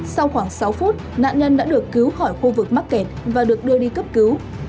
sau khoảng sáu phút nạn nhân đã được cứu khỏi khu vực mắc kẹt và được đưa đi cấp cứu